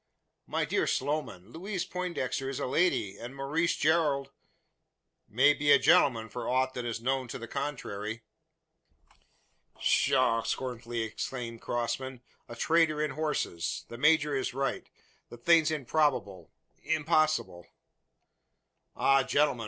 "My dear Sloman, Louise Poindexter is a lady, and Maurice Gerald " "May be a gentleman for aught that is known to the contrary." "Pshaw!" scornfully exclaimed Crossman; "a trader in horses! The major is right the thing's improbable impossible." "Ah, gentlemen!"